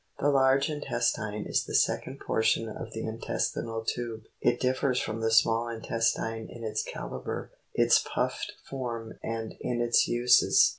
The large intestine is the second portion of the intestinal tube ; it differs from the small intestine in its calibre, its puffed form and in its uses.